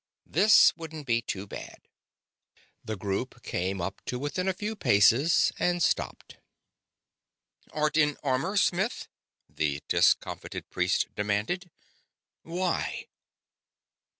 This wouldn't be too bad. The group came up to within a few paces and stopped. "Art in armor, smith?" the discomfited priest demanded. "Why?"